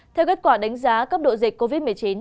theo kết quả đánh giá cấp độ dịch covid một mươi chín